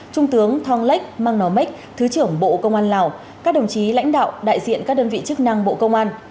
trung tướng thong lách mang nò mách thứ trưởng bộ công an lào các đồng chí lãnh đạo đại diện các đơn vị chức năng bộ công an